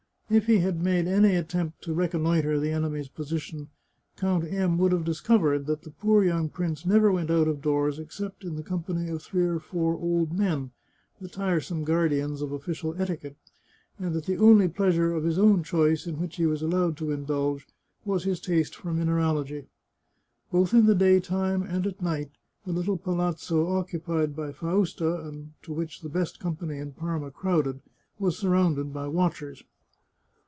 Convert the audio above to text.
If he had made any attempt to reconnoitre the enemy's position, Count M would have discovered that the poor young prince never went out of doors except in the com pany of three or four old men, the tiresome guardians of official etiquette, and that the only pleasure of his own choice in which he was allowed to indulge, was his taste for mineralogy. Both in the daytime, and at night, the little Palazzo occupied by Fausta, and to which the best company in Parma crowded, was surrounded by watchers.